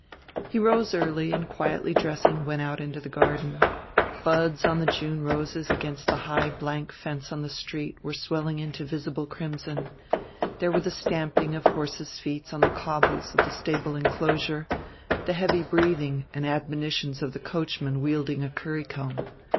He rose early, and quietly dressing went out into the garden: buds on the June roses against the high blank fence on the street were swelling into visible crimson; there were the stamping of horses' feet on the cobbles of the stable inclosure, the heavy breathing and admonitions of the coachman wielding a currycomb.